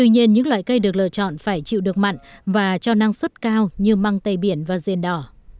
như măng tây biển và rên đỏ